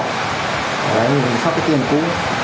đó là hình cho cái tiền cũ